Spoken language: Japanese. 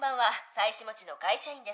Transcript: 妻子持ちの会社員です」